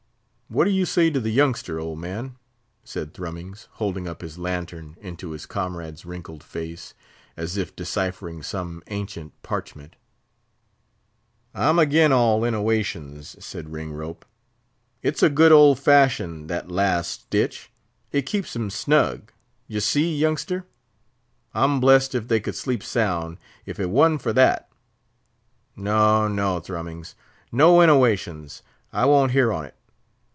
"What do you say to the youngster, old man?" said Thrummings, holding up his lantern into his comrade's wrinkled face, as if deciphering some ancient parchment. "I'm agin all innowations," said Ringrope; "it's a good old fashion, that last stitch; it keeps 'em snug, d'ye see, youngster. I'm blest if they could sleep sound, if it wa'n't for that. No, no, Thrummings! no innowations; I won't hear on't.